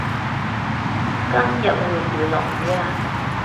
今日會唔會落雨呀